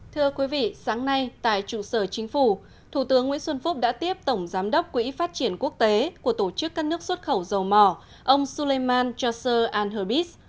thưa quý vị sáng nay tại trụ sở chính phủ thủ tướng nguyễn xuân phúc đã tiếp tổng giám đốc quỹ phát triển quốc tế của tổ chức căn nước xuất khẩu dầu mò ông suleyman chauser anherbis